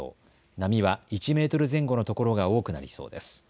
波は１メートル前後のところが多くなりそうです。